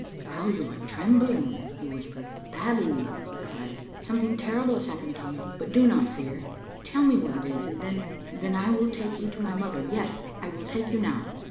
" How you are trembling !" he whispered. " Babbie, " he cried, " something terrible has happened to you, but do not fear. Tell me what it is, and then — then I will take you to my mother: yes, I will take you now."